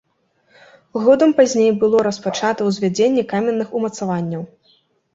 Годам пазней было распачата ўзвядзенне каменных умацаванняў.